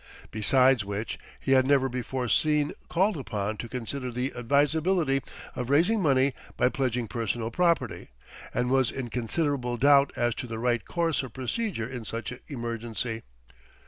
Besides which, he had never before been called upon to consider the advisability of raising money by pledging personal property, and was in considerable doubt as to the right course of procedure in such emergency.